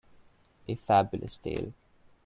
A Fabulous tale.